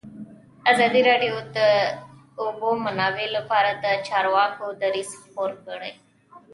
ازادي راډیو د د اوبو منابع لپاره د چارواکو دریځ خپور کړی.